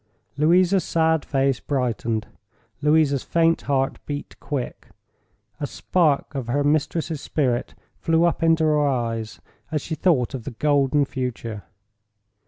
Louisa's sad face brightened; Louisa's faint heart beat quick. A spark of her mistress's spirit flew up into her eyes as she thought of the golden future.